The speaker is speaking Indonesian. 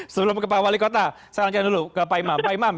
sebelum ke pak wali kota saya lanjutkan dulu ke pak imam pak imam